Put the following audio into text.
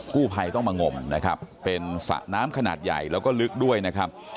กู้ภัยต้องมางมนะครับเป็นสระน้ำขนาดใหญ่แล้วก็ลึกด้วยนะครับ